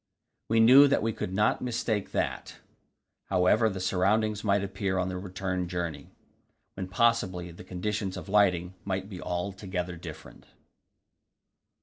We knew that we could not mistake that, however the surroundings might appear on the return journey, when possibly the conditions of lighting might be altogether different.